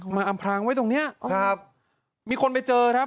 อำพรางไว้ตรงเนี้ยครับมีคนไปเจอครับ